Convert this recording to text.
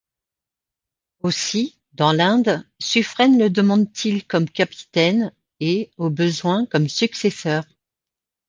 Aussi, dans l'Inde, Suffren le demande-t-il comme capitaine, et, au besoin, comme successeur.